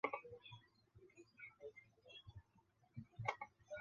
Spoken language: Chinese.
他被认为是社会自由主义最早的支持者与领军人物。